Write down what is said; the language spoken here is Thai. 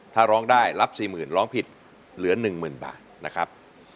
ถ้าร้องได้รับสี่หมื่นร้องผิดเหลือหนึ่งหมื่นบาทนะครับ